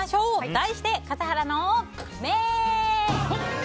題して笠原の眼。